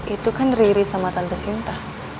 itu kan riri sama tante sinta